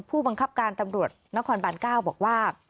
ผู้บังคับการตำรวจนครบาน๙บอกว่า